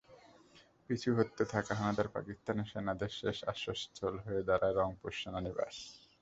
পিছু হটতে থাকা হানাদার পাকিস্তানি সেনাদের শেষ আশ্রয়স্থল হয়ে দাঁড়ায় রংপুর সেনানিবাস।